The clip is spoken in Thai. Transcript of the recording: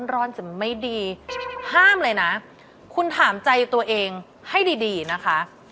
ร้อนจะไม่ดีห้ามเลยนะคุณถามใจตัวเองให้ดีดีนะคะ